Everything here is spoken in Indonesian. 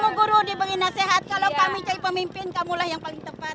kau guru di nasihat kalau kami jadi pemimpin kamulah yang paling tepat